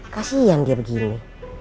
kasih yang dia begini